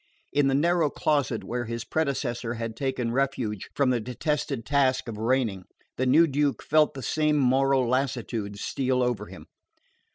In the narrow closet where his predecessor had taken refuge from the detested task of reigning, the new Duke felt the same moral lassitude steal over him.